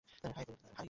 High, Puja, - high.